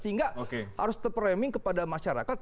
sehingga harus ter priming kepada masyarakat